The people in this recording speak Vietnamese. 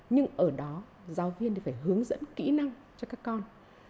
nhưng ở đó giáo viên thì phải hướng dẫn kỹ năng cho các con